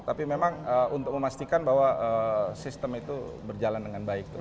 tapi memang untuk memastikan bahwa sistem itu berjalan dengan baik